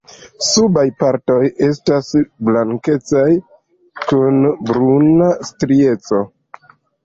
Subaj partoj estas blankecaj kun bruna strieco.